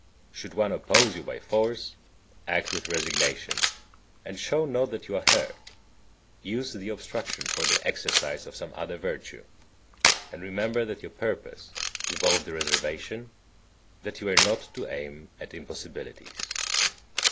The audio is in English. Should one oppose you by force, act with resignation, and shew not that you are hurt, use the obstruction for the exercise of some other virtue, and remember that your purpose involved the reservation that you were not to aim at impossibilities.